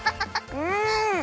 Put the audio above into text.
うん！